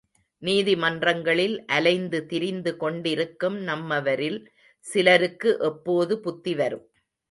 நீதிமன்றங்களில் அலைந்து திரிந்து கொண்டிருக்கும் நம்மவரில் சிலருக்கு எப்போது புத்திவரும்.